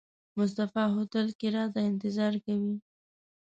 مصطفی هوټل کې راته انتظار کوي.